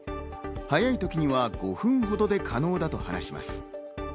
早い時には５分ほどで可能だと話します。